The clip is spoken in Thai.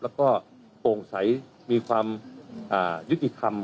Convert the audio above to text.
แล้วก็โปร่งใสมีความยุติธรรม